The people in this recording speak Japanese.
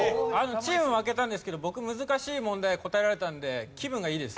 チーム負けたんですけど僕難しい問題答えられたので気分がいいです。